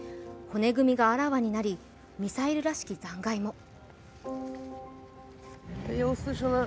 骨組みがあらわになり、ミサイルらしき残骸も。